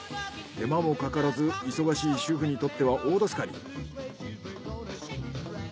手間もかからず忙しい主婦にとっては大助かり。